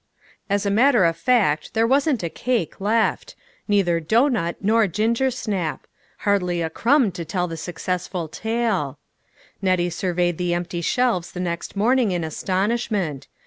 A S a matter of fact there wasn't a cake * left. Neither doughnut nor gingersnap ; hardly a crumb to tell the successful tale. Nettie surveyed the empty shelves the next morning in astonishment.